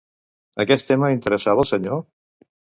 Aquest tema interessava al senyor?